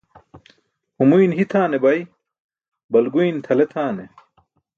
humuyn hitʰaane bay, balguyn tʰale tʰane.